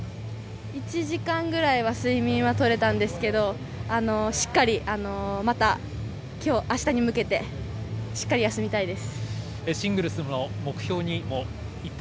１時間ぐらいは睡眠は取れたんですけど、しっかりまた、きょう、あしたに向けてしっかり休みたいです。